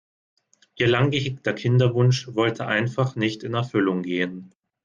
Ihr lang gehegter Kinderwunsch wollte einfach nicht in Erfüllung gehen.